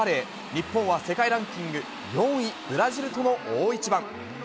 日本は世界ランキング４位、ブラジルとの大一番。